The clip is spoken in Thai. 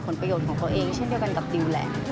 ผลประโยชน์ของตัวเองเช่นเดียวกันกับดิวแหละ